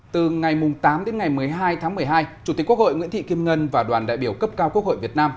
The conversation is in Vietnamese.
từ ngày tám đến ngày một mươi hai tháng một mươi hai chủ tịch quốc hội nguyễn thị kim ngân và đoàn đại biểu cấp cao quốc hội việt nam